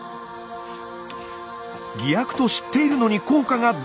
偽薬と知っているのに効果が出た。